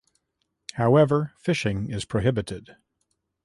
However, fishing is prohibited.